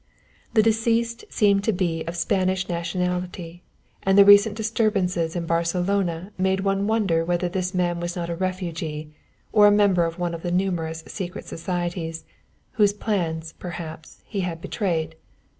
The deceased seemed to be of Spanish nationality, and the recent disturbances in Barcelona made one wonder whether this man was not a refugee or a member of one of the numerous secret societies, whose plans, perhaps, he had betrayed.